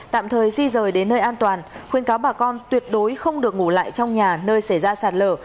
tạm thời di rời đến nơi an toàn khuyến cáo bà con tuyệt đối không được ngủ lại trong nhà nơi xảy ra sạt lở